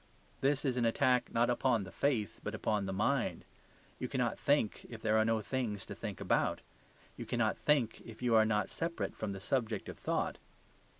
This is an attack not upon the faith, but upon the mind; you cannot think if there are no things to think about. You cannot think if you are not separate from the subject of thought.